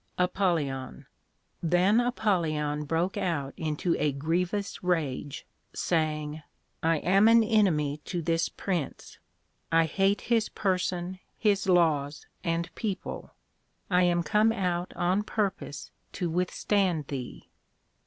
APOL. Then Apollyon broke out into a grievous rage, saying, I am an enemy to this Prince; I hate his Person, his Laws, and People; I am come out on purpose to withstand thee.